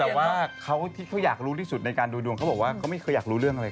แต่ว่าเขาที่เขาอยากรู้ที่สุดในการดูดวงเขาบอกว่าเขาไม่เคยอยากรู้เรื่องอะไร